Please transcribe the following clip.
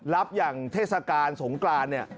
รับอย่างเทศกาลสงกรานเนี่ย